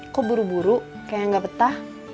kok buru buru kayak nggak betah